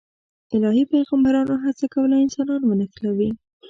الهي پیغمبرانو هڅه کوله انسانان ونښلوي.